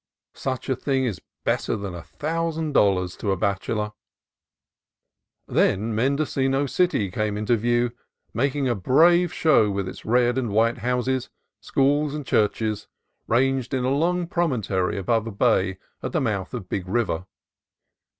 Such a thing is better than a thousand dollars to a bachelor. MENDOCINO CITY 277 Then Mendocino City came into view, making a brave show with its red and white houses, schools, and churches, ranged on a long promontory above a bay at the mouth of Big River.